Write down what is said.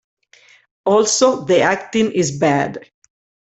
Also, the acting is bad.